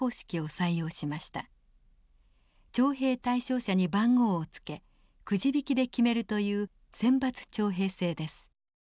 徴兵対象者に番号をつけクジ引きで決めるという選抜徴兵制です。